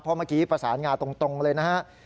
เพราะเมื่อกี้ประสานงาตรงเลยนะฮะ